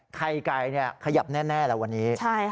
ไข่ไก่ขยับแน่แล้ววันนี้